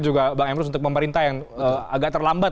juga bang emrus untuk pemerintah yang agak terlambat